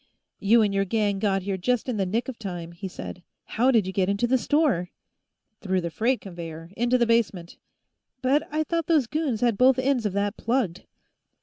"You and your gang got here just in the nick of time," he said. "How did you get into the store?" "Through the freight conveyor, into the basement." "But I thought those goons had both ends of that plugged."